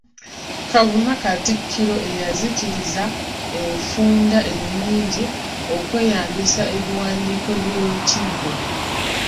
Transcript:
Kavuma Katikkiro eyanzikiriza enfunda ennyingi okweyambisa ebiwandiiko by'Olukiiko.